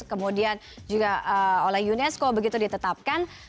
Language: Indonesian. kemudian juga oleh unesco begitu ditetapkan